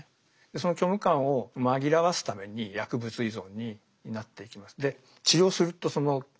その虚無感を紛らわすために薬物依存になっていきます。